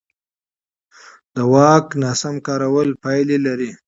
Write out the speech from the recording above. د واک ناسم کارول پایلې لري